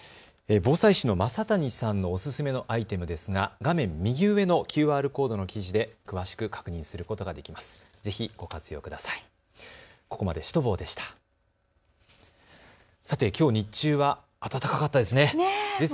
防災士の正谷さんのおすすめのアイテムですが画面右上のＱＲコードの記事で詳しく確認することができます。